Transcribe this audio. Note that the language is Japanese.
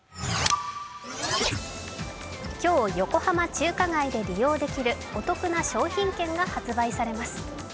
今日、横浜中華街で利用することができるお得な商品券が発売されます。